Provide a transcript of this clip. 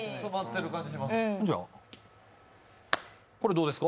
じゃあ、これどうですか？